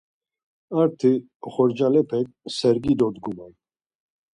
Arti oxorcalepek sergi dodguman.